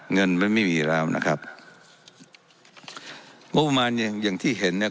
เงินมันไม่มีแล้วนะครับงบประมาณอย่างอย่างที่เห็นเนี่ย